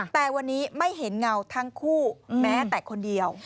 แต่วันนี้ไม่เห็นเงาทั้งคู่แม้แต่คนเดียว